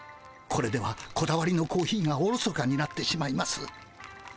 これではこだわりのコーヒーがおろそかになってしまいます。